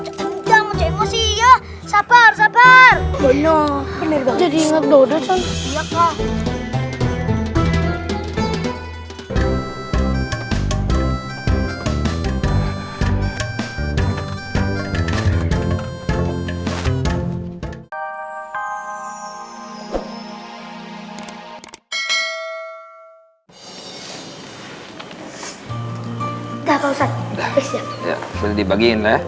aduh aduh aduh